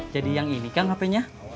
jadi yang ini kang hpnya